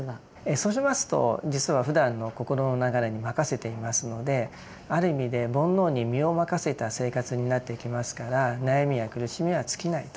そうしますと実はふだんの心の流れに任せていますのである意味で煩悩に身を任せた生活になっていきますから悩みや苦しみは尽きないと。